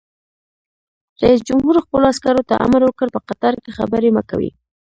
رئیس جمهور خپلو عسکرو ته امر وکړ؛ په قطار کې خبرې مه کوئ!